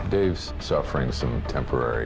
dave sedang menderita beberapa penyakit